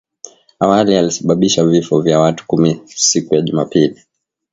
awali yalisababisha vifo vya watu kumi siku ya Jumapili